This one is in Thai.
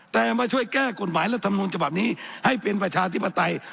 แต่มาช่วยแก้กฎหมายรัฐมนุนฉบับนี้ให้เป็นประชาธิปไตย